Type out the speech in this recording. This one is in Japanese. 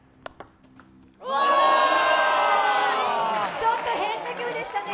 ちょっと変化球でしたね。